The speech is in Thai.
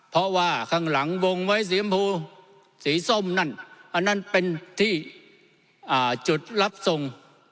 เพราะว่าข้างหลังวงไว้สีชมพูสีส้มนั่นอันนั้นเป็นที่จุดรับส่ง